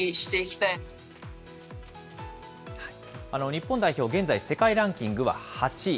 日本代表、現在、世界ランキングは８位。